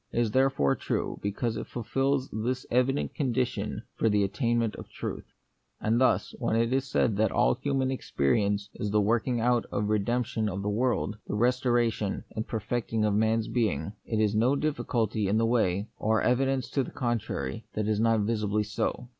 It is therefore true, because it fulfils this evident condition for the attainment of the truth. And thus, when it is said that all human experience is the working out of the redemp The Mystery of Pain. 23 tion of the world, the restoration and perfect ing of man's being, it is no difficulty in the way, or evidence to the contrary, that it is not visibly so.